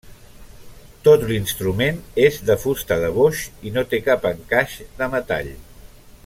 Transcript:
Tot l’instrument és de fusta de boix i no té cap encaix de metall.